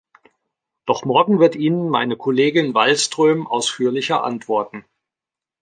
Doch morgen wird Ihnen meine Kollegin Wallström ausführlicher antworten.